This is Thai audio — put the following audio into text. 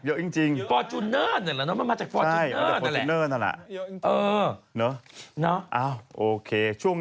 เยอะมากเยอะมากยากจริง